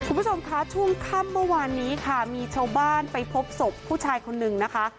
คุณผู้ชมคะช่วงค่ำเมื่อวานนี้ค่ะมีชาวบ้านไปพบศพผู้ชายคนนึงนะคะ